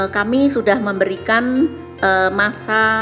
kami sudah memberikan masa